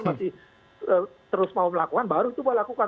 masih terus mau melakukan baru itu boleh dilakukan